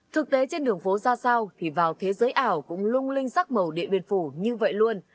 thực tế trên đường phố ra sao thì vào thế giới ảo cũng lung linh sắc màu điện biên phủ như vậy luôn